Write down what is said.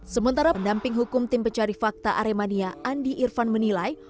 sementara pendamping hukum tim pencari fakta aremania andi irfan menilai